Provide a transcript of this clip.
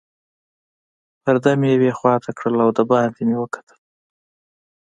پرده مې یوې خواته کړل او دباندې مې وکتل.